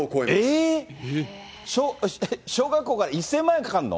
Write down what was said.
えー！小学校から１０００万円かかるの？